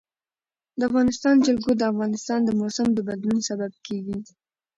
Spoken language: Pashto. د افغانستان جلکو د افغانستان د موسم د بدلون سبب کېږي.